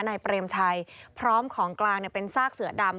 นายเปรมชัยพร้อมของกลางเป็นซากเสือดำ